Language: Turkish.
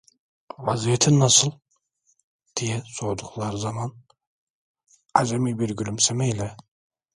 "Vaziyetin nasıl?" diye sordukları zaman, acemi bir gülümseme ile: